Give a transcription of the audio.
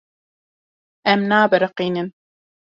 Em nabiriqînin.